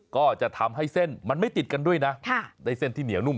ก็จะทำให้เส้นมันไม่ติดกันด้วยนะได้เส้นที่เหนียวนุ่ม